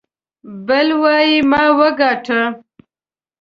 بل وايي ما وګاټه.